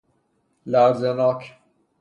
لرزه ناک